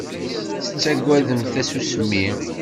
Tettaggademt tasusmi?